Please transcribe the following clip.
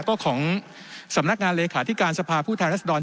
ก็ของสำนักงานเลขาธิการสภาพผู้แทนรัศดร